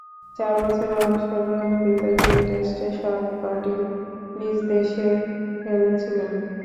চার বছরের অংশগ্রহণকৃত তিন টেস্টে সবকটিই নিজদেশে খেলেছিলেন।